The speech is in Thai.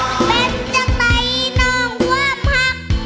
เป็นจังใดนองว่ามหัก